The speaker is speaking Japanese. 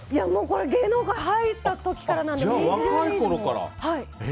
芸能界入った時からなので。